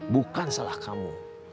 bukan salah kamu